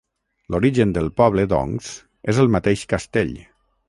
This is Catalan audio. L'origen del poble, doncs, és el mateix castell.